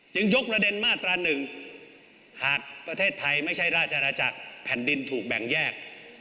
ยกประเด็นมาตรา๑หากประเทศไทยไม่ใช่ราชอาณาจักรแผ่นดินถูกแบ่งแยก